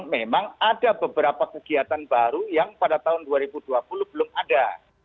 memang ada beberapa kegiatan baru yang pada tahun dua ribu dua puluh belum ada